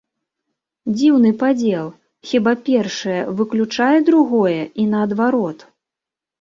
Дзіўны падзел, хіба першае выключае другое, і наадварот?